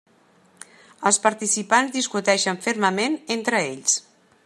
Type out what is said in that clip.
Els participants discuteixen fermament entre ells.